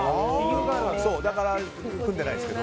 だから、組んでないんですけど。